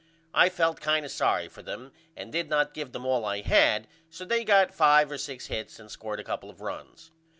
I felt kind of sorry for them and I did not give them all I had so they got 5 or 6 hits and scored a couple of runs.